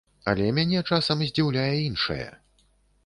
Але мяне часам здзіўляе іншае.